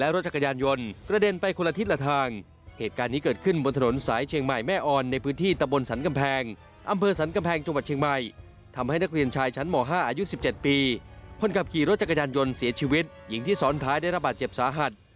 รถสวนเสียชีวิตอย่างที่สอนท้ายได้รับบาดเจ็บสาหัส